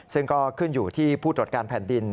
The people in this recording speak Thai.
ซึ่งก็ขึ้นอยู่ที่ผู้ตรวจการแผ่นดิน